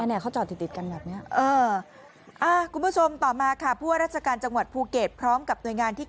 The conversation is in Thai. แม้เขาจอดติดกันแบบนี้